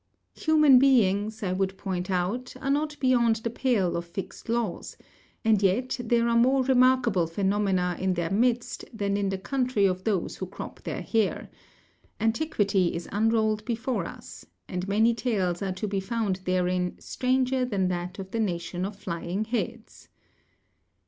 "Human beings, I would point out, are not beyond the pale of fixed laws, and yet there are more remarkable phenomena in their midst than in the country of those who crop their hair; antiquity is unrolled before us, and many tales are to be found therein stranger than that of the nation of Flying Heads.